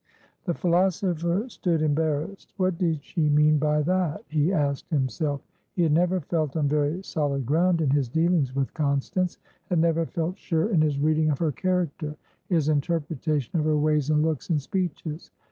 The philosopher stood embarrassed. "What did she mean by that?" he asked himself. He had never felt on very solid ground in his dealings with Constance; had never felt sure in his reading of her character, his interpretation of her ways and looks and speeches.